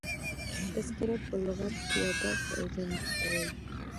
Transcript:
تذکره په لغت کښي یاداشت او ژوند لیک ته وايي.